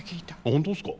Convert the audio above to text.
本当ですか？